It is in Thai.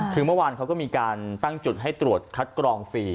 คือเมื่อวานเขาก็มีการตั้งจุดให้ตรวจคัดกรองฟรี